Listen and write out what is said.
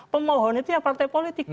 pemohon itu ya partai politik